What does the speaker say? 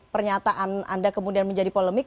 pernyataan anda kemudian menjadi polemik